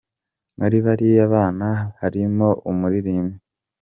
Muri bariya bana harimo umuririmbyi.